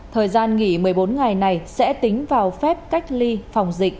thời gian nghỉ một mươi bốn ngày này sẽ tính vào phép cách ly phòng dịch